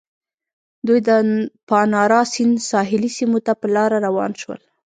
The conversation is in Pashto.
دوی د پانارا سیند ساحلي سیمو ته په لاره روان شول.